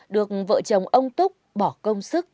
được vợ chồng ông túc bỏ công sức